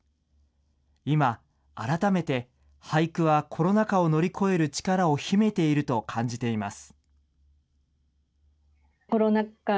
今、改めて俳句はコロナ禍を乗り越える力を秘めていると感じています。